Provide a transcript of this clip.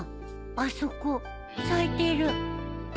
あそこ咲いてる。